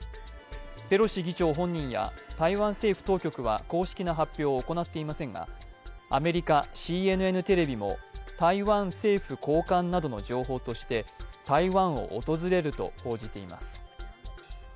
ペロシ議長本人や台湾政府当局は公式な発表を行っていませんが、アメリカＣＮＮテレビも台湾政府高官などの情報として台湾を訪れると報じています。